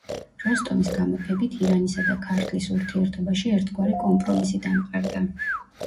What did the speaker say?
როსტომის გამეფებით ირანისა და ქართლის ურთიერთობაში ერთგვარი კომპრომისი დამყარდა.